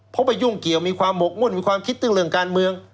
เพราะไปยุ่งเกี่ยวมีความหมกมุ่นมีความคิดถึงเรื่องการเมือง